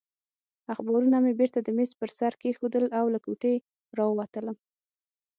اخبارونه مې بېرته د مېز پر سر کېښودل او له کوټې راووتلم.